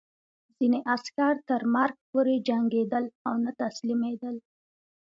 ځینې عسکر تر مرګ پورې جنګېدل او نه تسلیمېدل